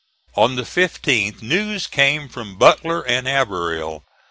On the 15th news came from Butler and Averill.